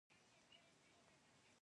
توره مېږه هم پر مينده راغلې ده